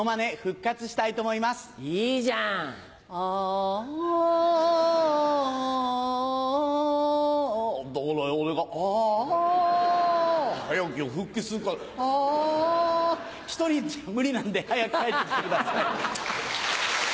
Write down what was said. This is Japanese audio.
アアアー１人じゃ無理なんで早く帰って来てください。